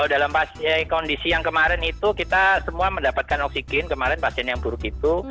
dalam kondisi yang kemarin itu kita semua mendapatkan oksigen kemarin pasien yang buruk itu